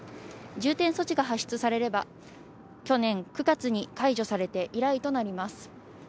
重点措置が発出されれば去年９月に解除されて以来となります。